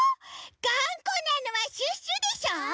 がんこなのはシュッシュでしょ！